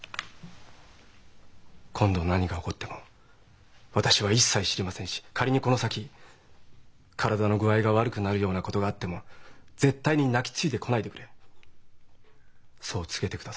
今度何が起こっても私は一切知りませんし仮にこの先体の具合が悪くなるようなことがあっても絶対に泣きついてこないでくれそう告げてください。